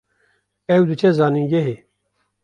Ew diçe zanîngehê